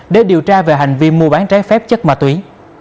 để điều tra về hành vi mua bán trái phép chất ma túy